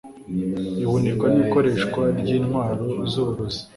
ihunikwa n'ikoreshwa ry'intwaro z'uburozi